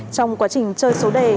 trong quá trình chơi số đề